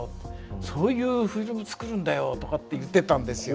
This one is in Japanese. そういうフィルム作るんだよとかって言ってたんですよ。